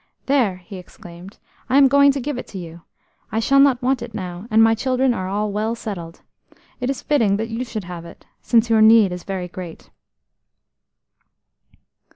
"There!" he exclaimed. "I am going to give it to you. I shall not want it now, and my children are all well settled. It is fitting that you should have it, since your need is very great."